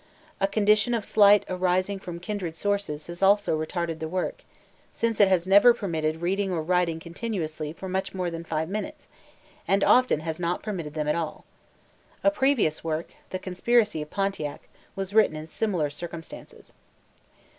A condition of sight arising from kindred sources has also retarded the work, since it has never permitted reading or writing continuously for much more than five minutes, and often has not permitted them at all. A previous work, "The Conspiracy of Pontiac," was written in similar circumstances.